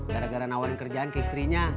gara gara nawarin kerjaan ke istrinya